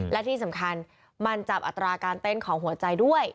และที่สำคัญมันจับอัตราการเต้นของหัวใจด้วย